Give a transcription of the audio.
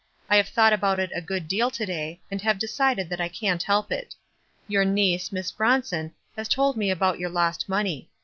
I have thought about it a good deal to day, and have decided that I can't help it. Your niece, Miss Bronson, WISE AND OTHERWISE. 291 has told me about your lost money.